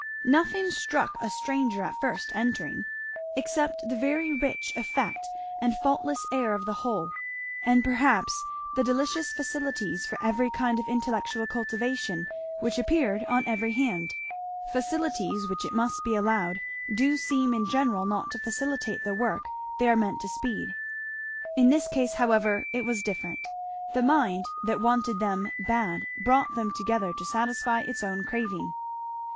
Nothing struck a stranger at first entering, except the very rich effect and faultless air of the whole, and perhaps the delicious facilities for every kind of intellectual cultivation which appeared on every hand; facilities which it must be allowed do seem in general not to facilitate the work they are meant to speed. In this case however it was different. The mind that wanted them bad brought them together to satisfy its own craving.